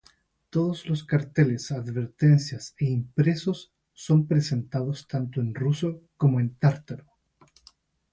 Todos los carteles, advertencias e impresos son presentados tanto en ruso como en tártaro.